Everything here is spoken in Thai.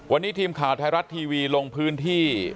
วันนี้ทีมข่าวไทยรัฐทีวีลงพื้นที่